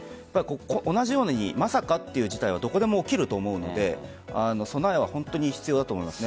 同じように、まさかという事態はどこでも起きると思うので備えは本当に必要だと思います。